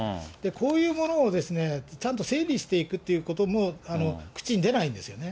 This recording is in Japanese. こういうものを、ちゃんと整理していくっていうことも、口に出ないんですよね。